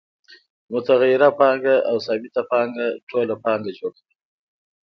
متغیره پانګه او ثابته پانګه ټوله پانګه جوړوي